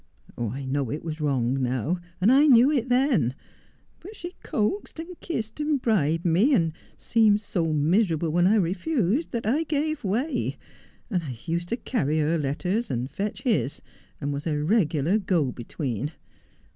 I know it was wrong now, and I knew it then ; but she coaxed and kissed me and bribed me, and seemed so miserable when I refused that I gave way, and used to carry her 276 Just as I Am. letters and fetch his, and was a regular go between.